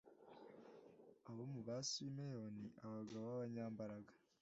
Abo mu Basimeyoni abagabo b abanyambaraga